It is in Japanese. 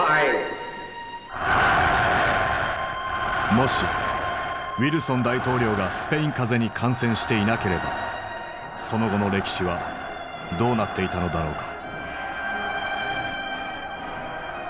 もしウィルソン大統領がスペイン風邪に感染していなければその後の歴史はどうなっていたのだろうか。